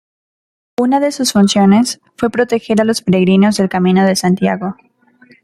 Una de sus funciones fue proteger a los peregrinos del camino de Santiago.